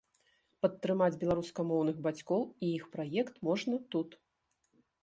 Падтрымаць беларускамоўных бацькоў і іх праект можна тут.